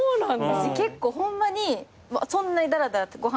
私結構ホンマにそんなにだらだらご飯